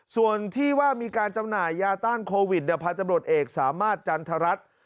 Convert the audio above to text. ส่วนที่ว่ามีการจำหน่ายยาต้านโควิดพันธบรวจเอกสามารถจันทรัฐ